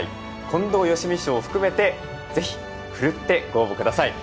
近藤芳美賞含めてぜひ奮ってご応募下さい。